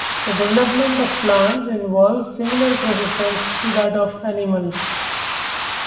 The development of plants involves similar processes to that of animals.